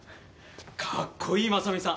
かっこいい真実さん！